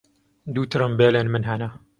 Du tirimbêlên min hene.